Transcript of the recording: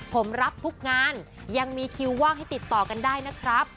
ผมรับทุกงานยังมีคิวว่างให้ติดต่อกันได้นะครับ